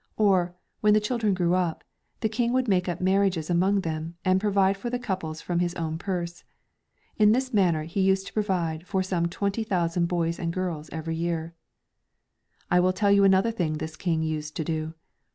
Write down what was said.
Or, when the children grew up, the King would make up marriages among them, and provide for the couples from his own purse. In this manner he used to provide for some 20,000 boys and girls every year.'' I will tell you another thing this King used to do.